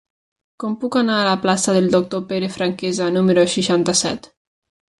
Com puc anar a la plaça del Doctor Pere Franquesa número seixanta-set?